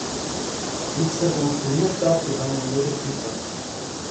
Mixer und Pürierstab gehören in jede Küche.